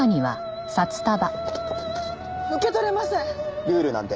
受け取れません！